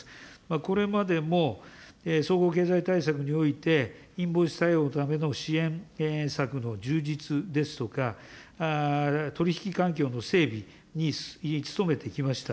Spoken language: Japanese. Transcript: これまでも、総合経済対策において、インボイス採用のための支援策の充実ですとか、取り引き環境の整備に努めてきました。